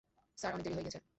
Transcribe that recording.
Sir, অনেক দেরি হয়ে গেছে।